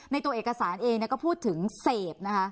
ในตัวเอกสารเองเนี่ยก็พูดถึงเสบนะคะ